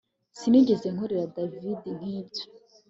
Sinigeze nkorera David nkibyo